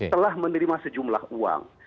telah menerima sejumlah uang